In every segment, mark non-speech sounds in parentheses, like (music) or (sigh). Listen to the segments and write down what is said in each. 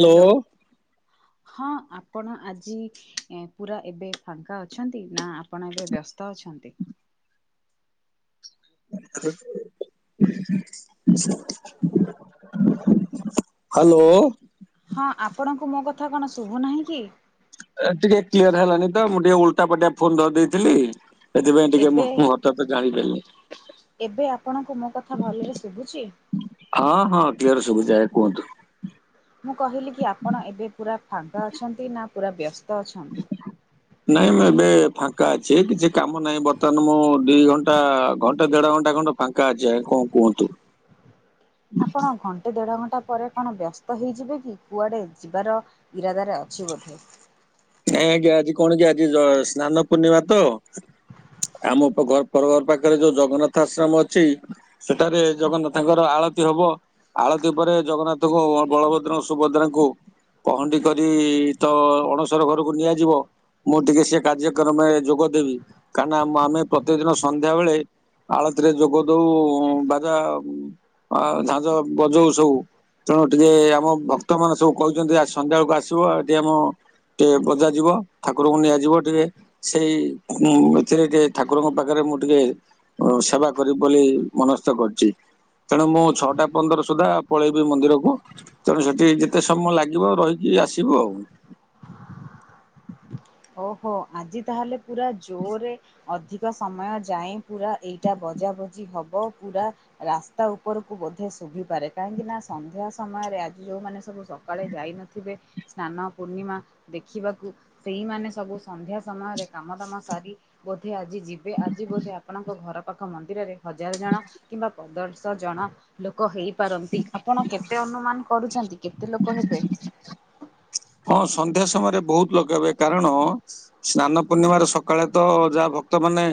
Hello. ହଁ ଆପଣ ଆଜି ପୁରା ଏବେ ଫାଙ୍କା ଅଛନ୍ତି ନା? ଆପଣ ଏବେ ବ୍ୟସ୍ତ ଅଛନ୍ତି? (inaudible) ହ୍ୟାଲୋ। ହଁ ଆପଣଙ୍କୁ ମୋ କଥା କଣ ଶୁଭୁନାହିଁ କି? ଟିକେ କ୍ଲିୟର ହେଲାନି ତ ମୁଁ ଟିକେ ଓଲଟା ପଟିଆ ଫୋନ ଧରି ଦେଇେଥିଲି ସେଥିପାଇଁ ଟିକେ ମୋ ଏବେ ମୁ ତ ତେ ଜାଣିପାରିଲିନି। ଏବେ ଆପଣଙ୍କୁ ମୋ କଥା ଭଲରେ ଶୁଭୁଛି? ହଁ ହଁ କ୍ଲିଅର ଶୁବୁଚି ଆଜ୍ଞା କୁହନ୍ତୁ। ମୁଁ କହିଲି କି ଆପଣ ଏବେ ପୂରା ଫାଙ୍କା ଅଛନ୍ତି ନା ପୂରା ବ୍ୟସ୍ତ ଅଛନ୍ତି? ନାଇଁ ମୁଁ ଏବେ ଫାଙ୍କା ଅଛି କିଛି କାମ ନାହିଁ ବର୍ତ୍ତମାନ ମୁଁ ଦି ଘଣ୍ଟା ଘଣ୍ଟା ଦେଢ ଘଣ୍ଟା ଖଣ୍ଡେ ପାଙ୍କା ଅଛି ଆଜ୍ଞା କଣ କୁହନ୍ତୁ? ଆପଣ ଘ ଣ୍ଟେ ଦେଢ଼ ଘଣ୍ଟା ପରେ କଣ ବ୍ୟସ୍ତ ହେଇଯିବେ କି କୁଆଡ଼େ ଯିବାର ଇରାଦାରେ ଅଛି ବୋଧେ। ନାଇଁ ଆଜ୍ଞା ଆଜି କଣ କି ଆଜି ଜୟ ସ୍ନାନ ପୂର୍ଣ୍ଣିମା ତ। ଆମ ଘ ପର ଘର ପାଖରେ ଯୋଉ ଜଗନ୍ନାଥ ଆଶ୍ରମ ଅଛି। ସେଠାରେ ଜଗନ୍ନାଥଙ୍କର ଆଳତି ହବ। ଆଳତି ପରେ ଜଗନ୍ନାଥଙ୍କୁ ବଳଭଦ୍ର ସୁଭଦ୍ରାଙ୍କୁ ପହଣ୍ଡି କରି ତ ଅଣସର ଘରକୁ ନିଆଯିବ। ମୁଁ ଟିକେ ସେ କାର୍ଯ୍ୟକ୍ରମରେ ଯୋଗଦେବି କାନା ଆମ ଆମେ ପ୍ରତେକ ଦିନ ସନ୍ଧ୍ୟାବେଳେ ଆଳତିରେ ଯୋଗ ଦଉ ବାଜା ଝାଞ୍ଜ ବଜଉ ସବୁ। ତେଣୁ ଟିକେ ଆମ ଭକ୍ତ ମାନେ ସବୁ କହୁଛନ୍ତି ଆ ସନ୍ଧ୍ୟା ବେଳକୁ ଆସିବ ଆଉ ଏଠି ଆମ ଟିକେ ବଜା ଯିବ ଠାକୁରଙ୍କୁ ନିଆଯିବ ଟିକେ। ସେଇ ଉ ଏଥିରେ ଟିକେ ଠାକୁରଙ୍କ ପାଖରେ ମୁଁ ଟିକେ ସେବା କରିବି ବୋଲି ମନସ୍ଥ କରିଛି। ତେଣୁ ମୁଁ ଛଅଟା ପନ୍ଦର ସୁଦ୍ଧା ପଳେଇବି ମନ୍ଦିରକୁ। ତେଣୁ ସେଠି ଯେତେ ସମୟ ଲାଗିବ ରହିକି ଆସିବୁ ଅଉ। ଓହୋ ଆଜି ତାହେଲେ ପୁରା ଜୋରରେ ଅଧିକ୍ ସମୟ ଯାଏ ପୁରା ଏଇଟା ବଜାବଜି ହବ ପୁରା ରାସ୍ତା ଉପରକୁ ବୋଧେ ଶୁଭିପାରେ କାହିଁକି ନା ସନ୍ଧ୍ୟା ସମୟରେ ଆଜି ଯୋଉମାନେ ସବୁ ସ ସକାଳେ ଯାଇ ନଥିବେ ସ୍ନାନ ପୂର୍ଣ୍ଣିମା ଦେଖିବାକୁ। ସେଇମାନେ ସବୁ ସନ୍ଧ୍ୟା ସମୟରେ କାମ ଦାମ ସାରି ବୋଧେ ଆଜି ଯିବେ ଆଜି ବୋଧେ ଆପଣଙ୍କ ଘର ପାଖ ମନ୍ଦିରରେ ହଜାର ଜଣ କିମ୍ବା ପନ୍ଦରସ ଶ ଜଣ ଲୋକ ହେଇପାରନ୍ତି ଆପଣ କେତେ ଅନୁମାନ କରୁଛନ୍ତି କେତେ ଲୋକ ହେବେ? ହଁ ସନ୍ଧ୍ୟା ସମୟରେ ବହୁତ ଲୁକ ହେବେ କାରଣ। ସ୍ନାନ ପୂର୍ଣ୍ଣିମାରେ ସକାଳେ ତ ଯାହା ଭକ୍ତମାନେ।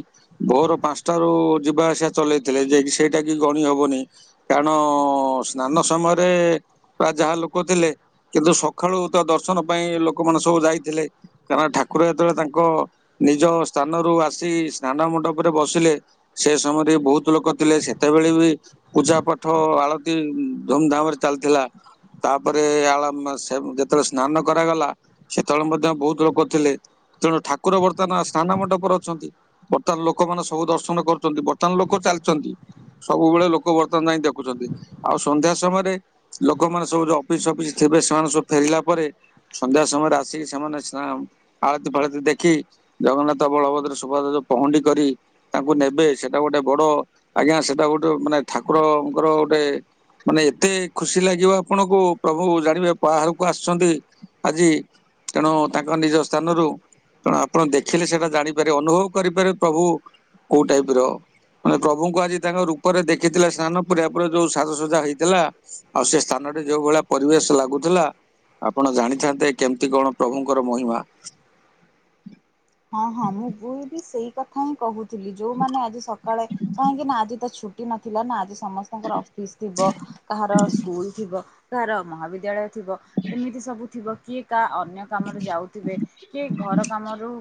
ଭୋର ପାଞ୍ଚଟାରୁ ଯିବା ଆସିବା ଚଲେଇଥିଲେ ଯେ ସେଇଟା କି ଗଣି ହବନି। କାରଣ ସ୍ନାନ ସମୟରେ ପ୍ରାୟ ଯାହା ଲୋକ ଥିଲେ କିନ୍ତୁ ସଖାଳୁ। ତ ଦର୍ଶନ ପାଇଁ ଲୋକମାନେ ସବୁ ଯାଇଥିଲେ। କାରଣ ଠାକୁର ଯେତେବେଳେ ତାଙ୍କ ନିଜ ସ୍ଥାନରୁ ଆସି ସ୍ନାନ ମଣ୍ଡପରେ ବସିଲେ। ସେ ସମୟରେ ବହୁତ ଲୋକ ଥିଲେ ସେତେବେଳେ ବି। ପୂଜା ପାଠ ଆଳତୀ ଧୁମଧାମ ରେ ଚାଲିଥିଲା। ତାପରେ ଆଲମ୍ବ ସେବ ଯେତ ଯେତେବେଳେ ସ୍ନାନ କରାଗଲା ସେତେବେଳେ ମଧ୍ୟ ବହୁତ ଲୋକ ଥିଲେ। ତେଣୁ ଠାକୁର ବର୍ତ୍ତମାନ ସ୍ନାନ ମଣ୍ଡପରେ ଅଛନ୍ତି। ବର୍ତ୍ତମାନ ଲୋକମାନେ ସବୁ ଦର୍ଶନ କରୁଛନ୍ତି ବର୍ତ୍ତମାନ ଲୋକ ଚାଲିଚନ୍ତି। ସବୁବେଳେ ଲୋକ (unintelligible) ଦେଖୁଛନ୍ତି ଆଉ ସନ୍ଧ୍ୟା ସମୟରେ। ଲୋକମାନେ ସବୁ ଯଉ ଅଫିସ ସଫିସରେ ଥିବେ ସେମାନେ ସବୁ ଫେରିଲା ପରେ। ସନ୍ଧ୍ୟା ସମୟରେ ଆସିକି ସେମାନେ ସ୍ନାନ ଆଳତୀ ଫାଳତି ଦେଖି ଜଗନ୍ନାଥ ବଳଭଦର ସୁଭଦ୍ର ପହଁଣ୍ଡି କରି ତାଙ୍କୁ ନେବେ ସେଟା ଗୋଟେ ବଡ ଆଜ୍ଞା ସେଟା ଗୋଟେ ମାନେ ଠାକୁରଙ୍କର ଗୋଟେ। ମାନେ ଏତେ ଖୁସି ଲାଗିବ ଆପଣଙ୍କୁ ପ୍ରଭୁ ଜାଣିବେ ପାହା କୁ ଆସନ୍ତି ଆଜି ତେଣୁ ତାଙ୍କ ନିଜ ସ୍ଥାନରୁ। ତେଣୁ ଆପଣ ଦେଖିଲେ ସିନା ଜାଣିପାରିବେ ଅନୁଭବ କରିପାରିବେ ପ୍ରଭୁ କୋଉ ଟାଇପ ର। ମାନେ ପ୍ରଭୁଙ୍କୁ ଆଜି ତାଙ୍କ ରୂପରେ ଦେଖିଥିଲା ସ୍ନାନ ପୁରା ପରେ ଯଉ ସାଜସଜା ହେଇଥିଲା। ଆଉ ସେ ସ୍ଥାନଟି ଯଉ ଭଳିଆ ପରିବେଶ ଲାଗୁଥିଲା। ଆପଣ ଜାଣିଥାନ୍ତେ କେମିତି କଣ ପ୍ରଭୁଙ୍କର ମହିମା। ହଁ ହଁ ମୁଁ ବଉ ବି ସେଇ କଥା ହିଁ କହୁଥିଲି ଯୋଉମାନେ ଆଜି ସକାଳେ କାହିଁକି ନା ଆଜି ତ ଛୁ ନଥିଲା ନା ଆଜି ସମସ୍ତଙ୍କର ଅଫିସ ଥିବ କାହାର ସ୍କୁଲ ଥିବ କାହାର ମହାବିଦ୍ୟାଳୟ ଥିବ ଏମିତି ସବୁ ଥିବ କିଏ କା ଅନ୍ୟ କାମରେ ଯାଉଥିବେ କିଏ ଘର କାମରୁ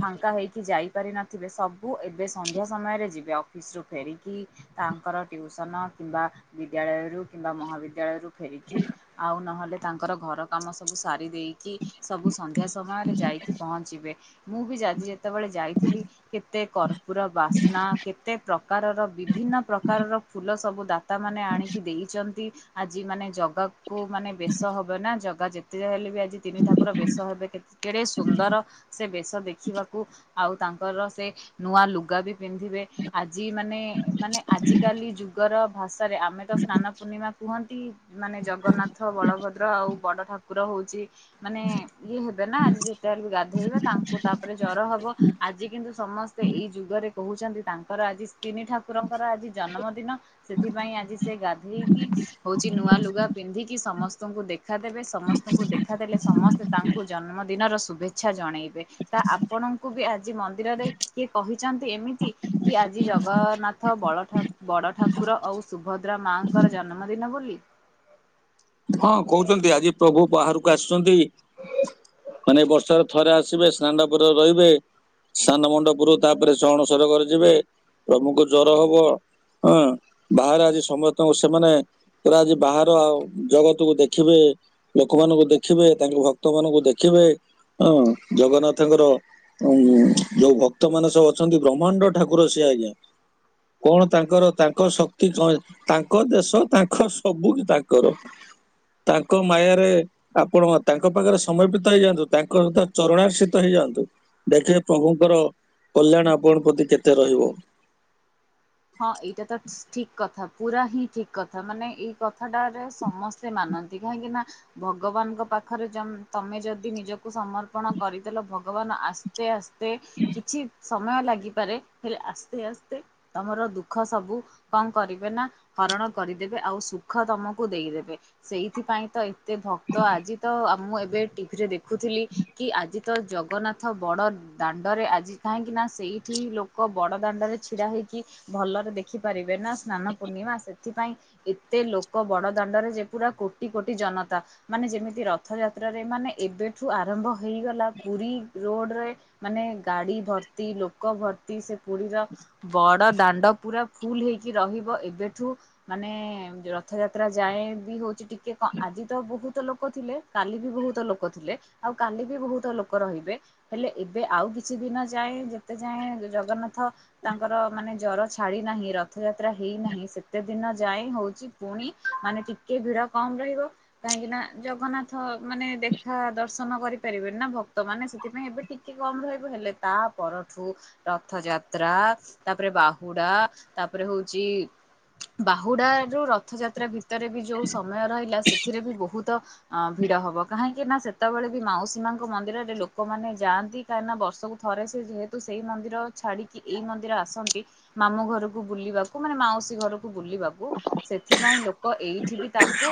ଫାଙ୍କା ହେଇକି ଯାଇପାରିନଥିବେ ସବୁ ଏବେ ସନ୍ଧ୍ୟା ସମୟରେ ଯିବେ ଅଫିସ୍ ରୁ ଫେରିକି। ତାଙ୍କର ଟିଉସନ କିମ୍ବା ବିଦ୍ୟାଳୟ ରୁ କିମ୍ବା ମହାବିଦ୍ୟାଳୟ ରୁ ଫେରିକି ଆଉ ନହେଲେ ତାଙ୍କର ଘର କାମ ସବୁ ସାରି ଦେଇ କି ସବୁ ସନ୍ଧ୍ୟା ସମୟରେ ଯାଇକି ପହଞ୍ଚିବେ ମୁଁ ବି ଯା ଆଜି ଯେତେବେଳେ ଯାଇଥିଲି। କେତେ କର୍ପୁର ବାସ୍ନା କେତେ ପ୍ରକାରର ବିଭିନ୍ନ ପ୍ରକାରର ଫୁଲ ତ ସବୁ ଦାତା ମାନେ ଆଣିକି ଦେଇଛନ୍ତି। ଆଜି ମାନେ ଜଗାକୁ ମାନେ ବେଶ ହବେ ନା ଜଗା ଯେତେ ହେଲେ ଆଜି ତିନି ଠାକୁର ବେଶ ହେବେ କେ କେଡେ ସୁନ୍ଦର ସେ ବେଶ ଦେଖିବାକୁ। ଆଉ ତାଙ୍କର ସେ ନୂଆ ଲୁଗା ବି ପିନ୍ଧିବେ। ଆଜି ମାନେ ମାନେ ଆଜିିକାଲି ଯୁ ଗ ର ଭାଷାରେ ଆମେ ତ ସ୍ନାନ ପୂର୍ଣ୍ଣିମା କୁହନ୍ତି। ମାନେ ଜଗନ୍ନାଥ ବଳଭଦ୍ର ଆଉ ବଡ ଠା କୁର ହଉଚି ମାନେ ଇଏ ହେବେ ନା ଆଜି ଯେତେ ହେଲେ ବି ଗାଧେଇବେ। ତାଙ୍କୁ ତାପରେ ଜର ହବ। ଆଜି କିନ୍ତୁ ସମସ୍ତେ ଏଇ ଯୁଗରେ କହୁଛନ୍ତି ତାଙ୍କର ଆଜି ତିନି ଠାକୁରଙ୍କର ଆଜି ଜନମଦିନ। ସେଥିପାଇଁ ଆଜି ସେ ଗାଧେଇକି ହଉଚି ନୂଆ ଲୁଗା ପିନ୍ଧିକି ସମସ୍ତଙ୍କୁ ଦେ ଖାଦେବେ। ସମସ୍ତଙ୍କୁ ଦେଖାଦେଲେ ସମସ୍ତେ ତାଙ୍କୁ ଜନ୍ମଦିନର ଶୁଭେଚ୍ଛା ଜଣେଇବେ। ତା ଆପଣଙ୍କୁ ବି ଆଜି ମନ୍ଦିରରେ କିଏ କହିଚନ୍ତି ଏମିତି କି ଆଜି ଜଗନ୍ନାଥ ବଳ ଠାକ୍ ବଡ ଠାକୁର ଆଉ ସୁଭଦ୍ରା ମାଙ୍କର ଜନମ ଦିନ ବୋଲି? ହଁ କହୁଚନ୍ତି ଆଜି ପ୍ରଭୁ ବାହାରକୁ ଆସୁଚନ୍ତି ମାନେ ବର୍ଷରେ ଥରେ ଆସିବେ ସ୍ନାଣ୍ଡପରେ ରହିବେ। ସ୍ନାନ ମଣ୍ଡପରୁ ତାପରେ ସେ ଅଣସର ଘର ଯିବେ, ପ୍ରଭୁଙ୍କୁ ଜର ହବ। ହଁ। ବାହାରେ ଆଜି ସମସ୍ତଙ୍କୁ ସେ ମାନେ ପୁରା ଆଜି ବାହାର ଆଉ ଜଗତକୁ ଦେଖିବେ, ଲୋକମାନଙ୍କୁ ଦେଖିବେ ତାଙ୍କ ଭକ୍ତ ମାନଙ୍କୁ ଦେଖିବେ। ହଁ। ଜଗନ୍ନାଥଙ୍କର ଯଉ ଭକ୍ତ ମାନେ ସବୁ ଅଛନ୍ତି ବ୍ରହ୍ମାଣ୍ଡ ଠାକୁର ସେ ଆଜ୍ଞା। କଣ ତାଙ୍କର ତାଙ୍କ ଶକ୍ତି କଣ ତାଙ୍କ ଦେଶ ତାଙ୍କ ସବୁ ତା ଙ୍କର। ତାଙ୍କ ମାୟାରେ ଆପଣ ତାଙ୍କ ପାଖରେ ସମୟ ବିତାଇ ଯାଆନ୍ତୁ ତାଙ୍କର ତ ଚରଣାର୍ ସି ତ ହେଇଯାଆନ୍ତୁ, ଦେଖିବେ ପ୍ରଭୁଙ୍କର କଲ୍ୟାଣ ଆପଣ ପ୍ରତି କେତେ ରହିବ। ହଁ ଏଇଟା ତ ଠିକ୍ କଥା। ପୁରା ହିଁ ଠିକ୍ କଥା। ମାନେ ଏଇ କଥାଟାରେ ସମସ୍ତେ ମାନନ୍ତି। କାହିଁକି ନା ଭଗବାନଙ୍କ ପାଖରେ ଚମ୍ ତମେ ଯଦି ନିଜକୁ ସମର୍ପଣ କରିଦେଲ ଭଗବାନ ଆସ୍ତେ ଆସ୍ ତେ କିଛି ସମୟ ଲାଗିପାରେ। ହେଲେ ଆସ୍ତେ ଆସ୍ତେ ତମର ଦୁଃଖ ସବୁ କଣ କରିବେ ନା ହରଣ କରିଦେବେ ଆଉ ସୁଖ ତମକୁ ଦେଇଦେବେ। ସେଇଥିପାଇଁ ତ ଏତେ ଭକ୍ତ ଆଜି ତ ଆ ମୁଁ ଏବେ ଟିଭିରେ ଦେଖୁଥିଲି କି ଆଜି ତ ଜଗନ୍ନାଥ ବଡ ଦାଣ୍ଡରେ ଆଜି କାହିଁକି ନା ସେଇଠି ଲୋ କ ବଡ଼ ଦାଣ୍ଡରେ ଛିଡା ହେଇକି ଭଲରେ ଦେଖିପାରିବେନା ସ୍ନାନ ପୂର୍ଣ୍ଣିମା। ସେଥିପାଇଁ ଏତେ ଲୋକ ବଡ ଦାଣ୍ଡରେ ଯେ ପୁରା କୋଟି କୋଟି ଜନତା। ମାନେ ଯେମିତି ରଥଯାତ୍ରାରେ ମାନେ ଏବେଠୁ ଆରମ୍ଭ ହେଇଗଲା ପୁରୀ ରୋଡରେ ମାନେ ଗାଡି ଭର୍ତ୍ତି ଲୋକ ଭର୍ତ୍ତି ସେ ପୁରୀର ବଡ଼ ଦାଣ୍ଡ ପୁରା ଫୁଲ୍ ହେଇକି ରହିବ ଏବେଠୁ ମାନେ ରଥଯାତ୍ରା ଯାଏଁ ବି ହଉଚି ଟିକେ କଁ ଆଜି ତ ବହୁତ ଲୋକ ଥିଲେ। କାଲି ବି ବହୁତ ଲୋକ ଥିଲେ। ଆଉ କାଲି ବି ବହୁତ ଲୋକ ରହିବେ। ହେଲେ ଏବେ ଆଉ କିଛିଦିନ ଯାଏଁ ଯେତେ ଯାଏଁ ଜଗନ୍ନାଥ ତା ଙ୍କର ମାନେ ଜର ଛାଡି ନାହିଁ ରଥଯାତ୍ରା ହେଇନାହିଁ ସେତେଦିନ ଯାଏଁ ହଉଚି ପୁଣି ମାନେ ଟିକେ ଭିଡ କମ୍ ରହିବ। କାହିଁକି ନା ଜଗନ୍ନାଥ ମାନେ ଦେଖା ଦର୍ଶନ କରିପାରିବେନି ନା ଭକ୍ତମାନେ ସେଥିପାଇଁ ଏବେ ଟି କେ କମ୍ ରହିବ। ହେଲେ ତା ପରଠୁ ରଥଯାତ୍ରା ତାପରେ ବାହୁଡା ତାପରେ ହଉଚି ବାହୁଡ଼ାରୁ ରଥଯାତ୍ରା ଭିତରେ ବି ଯୋଉ ସମୟ ରହିଲା ସେଥିରେ ବି ବହୁତ ଅଁ ଭିଡ଼ ହବ କାହିଁକି ନା ସେତବେଳେ ବି ମାଉସୀ ମାଙ୍କ ମନ୍ଦିରରେ ଲୋକମାନେ ଯାଆନ୍ତି। କାହିଁ ନା ବର୍ଷକୁ ଥରେ ସେ ଯେହେତୁ ସେଇ ମନ୍ଦିର ଛାଡି଼କି ଏଇ ମନ୍ଦିର ଆସନ୍ତି ମାମୁ ଘରୁକୁ ବୁଲିବାକୁ ମାନେ ମାଉସୀ ଘରୁକୁ ବୁଲିବା ବୁ ସେଥିପାଇଁ ଲୋକ ଏଇଠି ବି ତାଙ୍କୁ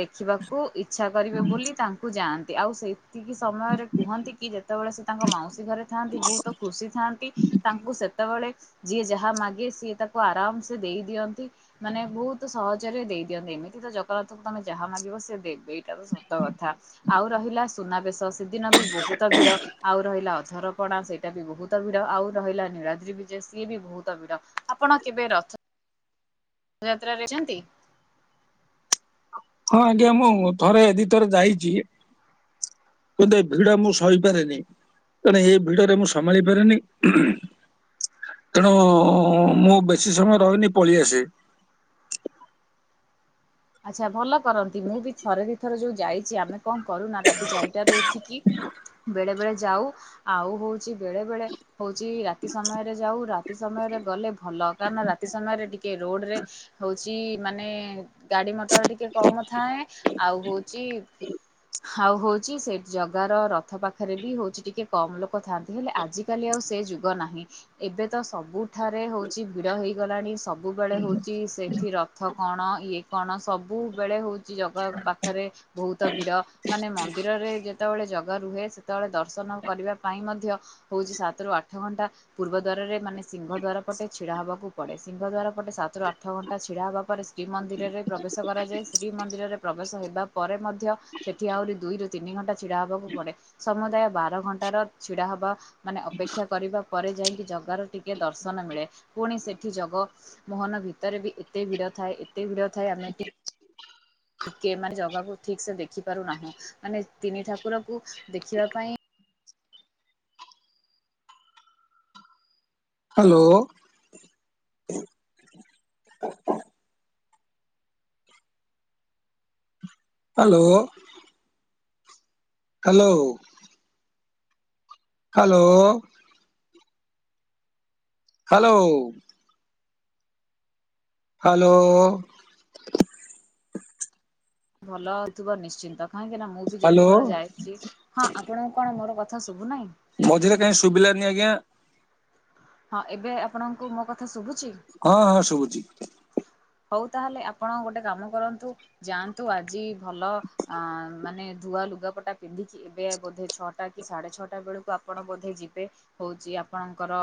ଦେଖିବାକୁ ଇଚ୍ଛା କରିବେ ବୋଲି ତାଙ୍କୁ ଯାଆନ୍ତି ଆଉ ସେତିକି ସମୟରେ କୁହନ୍ତିକି ଯେତବେଳେ ସେ ତାଙ୍କ ମାଉସୀ ଘରେ ଥାଆନ୍ତି ବୋହୁତ ଖୁସି ଥାଆନ୍ତି ତାଙ୍କୁ ସେତବେଳେ ଯିଏ ଯାହା ମାଗେ ସିଏ ତାକୁ ଆରାମ୍ ସେ ଦେଇ ଦିଅନ୍ତି। ମାନେ ବୋହୁତୁ ସହଜରେ ଦେଇ ଦିଅନ୍ତି ଏମିତି ତ ଜଗନ୍ନାଥଙ୍କୁ ତମେ ଯାହା ମାଗିବ ସେ ଦେବେ। ଟା ତ ସତ କଥା। ଆଉ ରହିଲା ସୁନାବେଶ ସେଦିନ ବି ବୋହୁତ ଭିଡ଼ ଆଉ ରହିଲା ଅଧରପଣା ସେ ଟା ବି ବୋହୁତ ଭିଡ଼ ଆଉ ରହିଲା ନୀଳାଦ୍ରି ବିଜେ ସିଏ ବି ବୋହୁତ ଭିଡ଼ ଆପଣ କେବେ ରଥ ଥ ଯାତ୍ରାରେ ଚନ୍ତି? ହଁ ଆଜ୍ଞା ମୁଁ ଥରେ ଦି ଥର ଯାଇଚି। ବୋଧେ ଭିଡ଼ ମୁଁ ସହିପାରେନି। ତେଣେ ଏ ଭିଡ଼ରେ ମୁଁ ସମାଳି ପାରେନେଇ। ତେଣୁ ମୁଁ ବେଶୀ ସମୟ ରହେନି ପଳିଆସେ। ଆଚ୍ଛା ଭଲ କରନ୍ତି ମୁଁ ବି ଥରେ ଦି ଥର ଯୋଉ ଯାଇଚି ଆମେ କଁ କରୁନା ରାତି ଚାରିଟାରୁ ଉଠିକି ବେଳେ ବେଳେ ଯାଉ ଆଉ ହୋଉଚି ବେଳେ ବେଳେ ହଉଚି ରାତି ସମୟରେ ଯାଉ ରାତି ସମୟରେ ଗଲେ ଭଲ କାନା ରାତି ସମୟରେ ଟିକେ ରୋଡ଼ ରେ ହଉଚି ମାନେ ଗାଡ଼ି ମଟର ଟିକେ କମ ଥାଏ ଆଉ ହୋଉଚି ଆଉ ହଉଚି ସେ ଜଗାର ରଥ ପାଖରେ ବି ହଉଚି ଟିକେ କମ ଲୋକ ଥାଆନ୍ତି ହେଲେ ଆଜି କାଲି ଆଉ ସେ ଯୁଗ ନାହିଁ ଏବେ ତ ସବୁଠାରେ ହଉଚି ଭିଡ଼ ହେଇଗଲାଣି ସ ବୁ ବେଳେ ହଉଚି ସେଠି ରଥ କଣ ଇଏ କଣ ସବୁବେଳେ ହଉ ଚି ଜଗା ପାଖରେ ବହୁତ ଭିଡ଼। ମାନେ ମନ୍ଦିରରେ ଯେତଅଳେ ଜଗା ରୁହେ ସେତଅଳେ ଦର୍ଶନ କରିବା ପାଇଁ ମଧ୍ୟ ହୋଉଚି ସାତରୁ ଆଠ ଘଣ୍ଟା ପୂର୍ବ ଦ୍ୱାରରେ ମାନେ ସିଂହ ଦ୍ୱାର ପଟେ ଛିଡ଼ା ହବାକୁ ପଡ଼େ ସିଂହ ଦ୍ଵାର ପଟେ ସାତରୁ ଆଠ ଘଣ୍ଟା ଛିଡ଼ା ହବା ପରେ ଶ୍ରୀମନ୍ଦିରରେ ପ୍ରବେଶ କରାଯାଏ। ଶ୍ରୀମନ୍ଦିରରେ ପ୍ରବେଶ ହେବା ପରେ ମଧ୍ୟ ସେଠି ଆହୁରି ଦୁଇରୁ ତିନି ଘଣ୍ଟା ଛିଡ଼ା ହବାକୁ ପଡ଼େ। ସମୁଦାୟ ବାର ଘଣ୍ଟାର ଛିଡ଼ା ହବା ମାନେ ଅପେକ୍ଷା କରିବା ପରେ ଯାଇକି ଜଗାର ଟିକେ ଦର୍ଶନ ମିଳେ ପୁଣି ସେଠି ଜଗ ମୋହନ ଭିତରେ ବି ଏତେ ଭିଊଡ ଥାଏ ଏତେ ଭିଡ ଥାଏ ଆମେ ଟି ଇକେ ମାନେ ଜାଗାକୁ ଠିକ୍ ସେ ଦେଖି ପାରୁନାହୁଁ ମାନେ ତିନି ଠାକୁରକୁ ଦେଖିବା ପାଇଁ hello. Hello. Hello. Hello. Hello. Hello. ଭଲ ହଉଥୁବ ନିଶ୍ଚିନ୍ତ କାହିଁକି ନା ମୁଁ ବି ଯେତେ ହ୍ୟାଲୋ ଥର ଯାଇଚି ହଁ ଆପଣଙ୍କୁ କଣ ମୋର କଥା ଶୁଭୁ ନାହିଁ? ମଝିରେ କାଇଁ ଶୁଭିଲାନି ଆଜ୍ଞା। ହଁ ଏବେ ଆପଣଙ୍କୁ ମୋ କଥା ଶୁଭୁଚି? ହଁ ହଁ ଶୁଭୁଚି। ହଉ ତାହେଲେ ଆପଣ ଗୋଟେ କାମ କରନ୍ତୁ ଯାଆନ୍ତୁ ଆଜି ଭଲ ଅ ମାନେ ଧୁଆ ଲୁଗାପଟା ପିନ୍ଧିକି ଏବେ ବୋଧେ ଛଅଟା କି ସାଢ଼େ ଛଅଟା ବେଳକୁ ଆପଣ ବୋଧେ ଯିବେ। ହଉଛି ଆପଣଙ୍କର?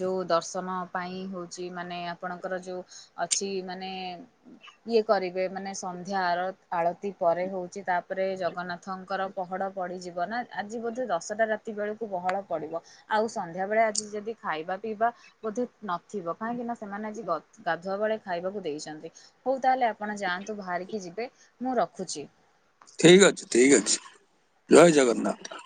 ଯୋଉ ଦର୍ଶନ ପାଇଁ ହଉଛି ମାନେ ଆପଣଙ୍କର ଯୋଉ ଅଛି ମାନେ। ଇଏ କରିବେ ମାନେ ସନ୍ଧ୍ୟା ଆ ଆଳତି ପରେ ହଉଛି ତାପରେ ଜଗନ୍ନାଥଙ୍କର ପହଳ ପଡ଼ିଯିବ ନା ଆଜି ବୋଧେ ଦଶଟା ରାତି ବେଳକୁ ପହଳ ପଡ଼ିବ। ଆଉ ସନ୍ଧ୍ୟା ବେଳେ ଆଜି ଯଦି ଖାଇବା ପିଇବା ବୋଧେ ନଥିବ କାହିଁକି ନା ସେମାନେ ଆଜି ଗା ଧବେଳେ ଖାଇବାକୁ ଦେଇଛନ୍ତି ହଉ ତାହେଲେ ଆପଣ ଯାଆନ୍ତୁ ବାହାରିକି ଯିବେ ମୁଁ ରଖୁଛି। ଠିକ ଅଛି ଠିକ ଅଛି ଜୟ ଜଗନ୍ନାଥ